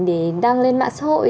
để đăng lên mạng xã hội